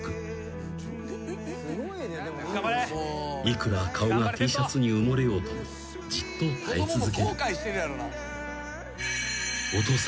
［いくら顔がＴシャツに埋もれようともじっと耐え続ける］